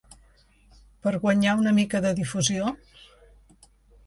Per guanyar una mica de difusió?